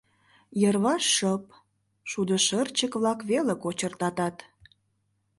Йырваш шып, шудошырчык-влак веле кочыртатат.